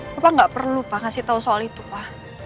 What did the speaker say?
papa gak perlu pa ngasih tau soal itu pa